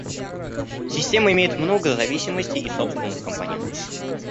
Система имеет много зависимостей и собственных компонентов